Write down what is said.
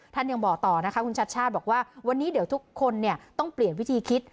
ยังบอกต่อนะคะคุณชัดชาติบอกว่าวันนี้เดี๋ยวทุกคนต้องเปลี่ยนวิธีคิด